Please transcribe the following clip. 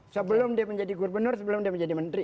sebelum dia menjadi gubernur sebelum dia menjadi menteri